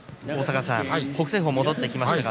北青鵬が戻ってきました。